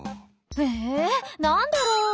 えなんだろう？